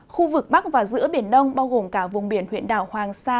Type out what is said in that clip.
khu vực bắc và giữa biển đông bao gồm cả vùng biển huyện đảo hoàng sa